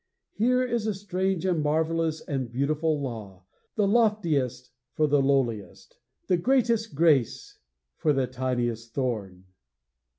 Here is a strange and marvelous and beautiful law! The loftiest for the lowliest! The greatest grace for the tiniest thorn!